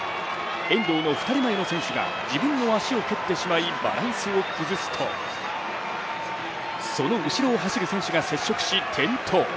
遠藤の２人前の選手が自分の足を蹴ってしまいバランスを崩すとその後ろを走る選手が接触し、転倒。